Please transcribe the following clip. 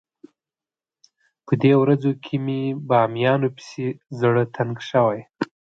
په دې ورځو کې مې بامیانو پسې زړه تنګ شوی.